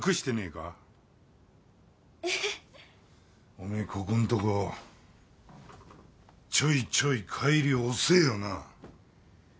おめえここんとこちょいちょい帰り遅えよな。